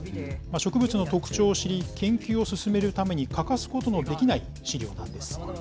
植物の特徴を知り、研究を進めるために欠かすことのできない資料なんです。